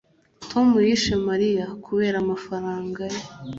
Tom yishe Mariya kubera amafaranga ye